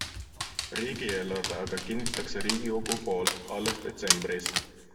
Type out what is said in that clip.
Riigieelarve aga kinnitatakse riigikogu poolt alles detsembris.